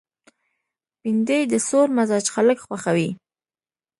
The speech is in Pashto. بېنډۍ د سوړ مزاج خلک خوښوي